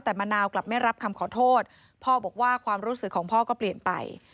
แต่มะนาวกลับไม่รับคำขอโทษพ่อบอกว่าความรู้สึกของพ่อก็เปลี่ยนไป